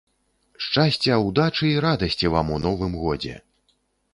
Шчасця, удачы і радасці вам у новым годзе!